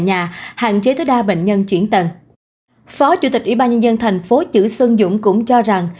nhà hạn chế tối đa bệnh nhân chuyển tầng phó chủ tịch ubnd tp chữ xuân dũng cũng cho rằng